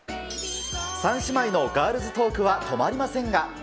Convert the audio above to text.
三姉妹のガールズトークは止まりませんが。